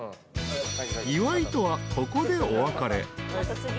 ［岩井とはここでお別れ］